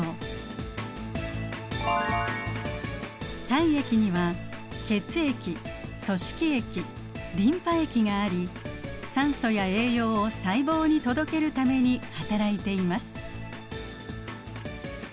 体液には血液組織液リンパ液があり酸素や栄養を細胞に届けるためにはたらいています。